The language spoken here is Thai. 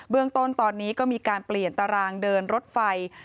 เรื่องต้นตอนนี้ก็มีการเปลี่ยนตารางเดินรถไฟ